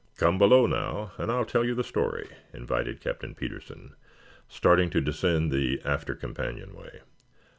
"Come below now and I'll tell you the story," invited Captain Petersen, starting to descend the after companionway.